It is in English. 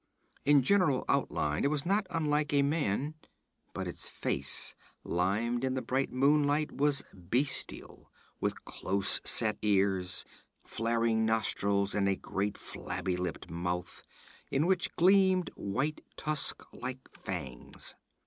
In general outline it was not unlike a man. But its face, limned in the bright moonlight, was bestial, with close set ears, flaring nostrils, and a great flabby lipped mouth in which gleamed white tusk like fangs.